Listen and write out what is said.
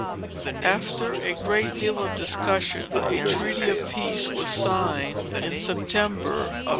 After a great deal of discussion, a treaty of peace was signed, in September, 1783.